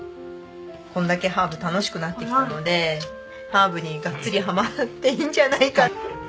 これだけハーブ楽しくなってきたのでハーブにがっつりハマっていいんじゃないか。